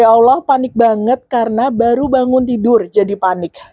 ya allah panik banget karena baru bangun tidur jadi panik